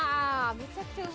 めちゃくちゃうまい。